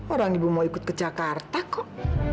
orang ibu mau ikut ke jakarta kok